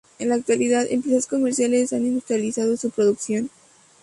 En la actualidad empresas comerciales han industrializado su producción.